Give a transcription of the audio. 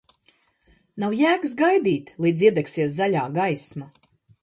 Nav jēgas gaidīt, līdz iedegsies zaļā gaisma.